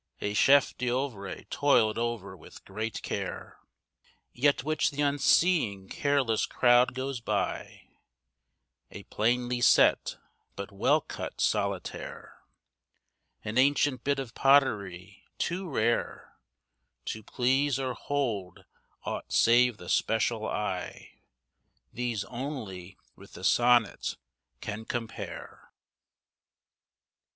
A chef d'œvre toiled over with great care, Yet which the unseeing careless crowd goes by, A plainly set, but well cut solitaire, An ancient bit of pottery, too rare To please or hold aught save the special eye, These only with the sonnet can compare.